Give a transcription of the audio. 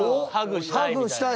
「ハグしたい」